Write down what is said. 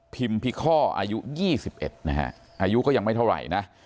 พิมพิคอร์อายุยี่สิบเอ็ดนะฮะอายุก็ยังไม่เท่าไหร่นะ